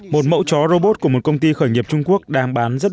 một mẫu chó robot của một công ty khởi nghiệp trung quốc đang bán bằng công nghệ in ba d